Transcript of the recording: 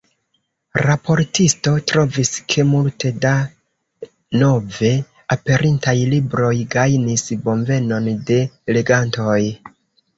Raportisto trovis, ke multe da nove aperintaj libroj gajnis bonvenon de legantoj.